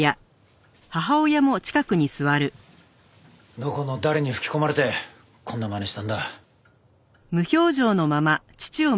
どこの誰に吹き込まれてこんな真似したんだ？